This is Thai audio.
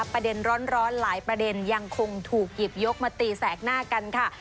ประเด็นร้อนหลายประเด็นยังคงถูกหยิบยกมาตีแสกหน้ากันค่ะ